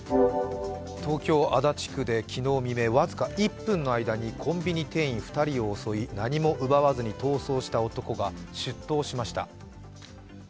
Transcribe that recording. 東京・足立区で昨日未明僅か１分の間にコンビニ店員２人を襲い何も奪わずに逃走した男が出頭しました。